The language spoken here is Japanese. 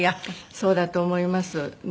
そうだと思います。